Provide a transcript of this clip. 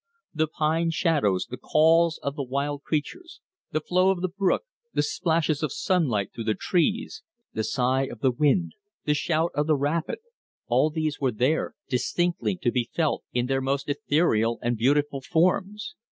The pine shadows, the calls of the wild creatures, the flow of the brook, the splashes of sunlight through the trees, the sigh of the wind, the shout of the rapid, all these were there, distinctly to be felt in their most ethereal and beautiful forms.